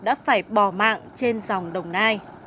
đã phải bỏ mạng trên dòng đồng nai